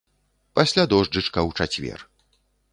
Пасля дожджычка ў чацвер.